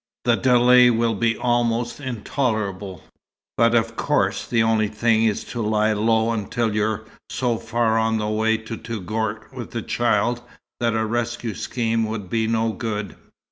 The delay will be almost intolerable, but of course the only thing is to lie low until you're so far on the way to Touggourt with the child, that a rescue scheme would be no good.